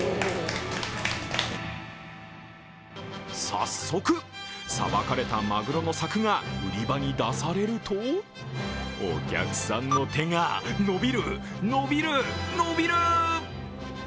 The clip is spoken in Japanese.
早速、さばかれたマグロの柵が売り場に出されるとお客さんの手が伸びる、伸びる、伸びる！